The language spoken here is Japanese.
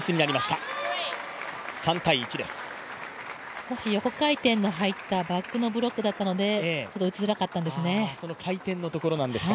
少し横回転の入ったバックのブロックだったので打ちづらかったんですね。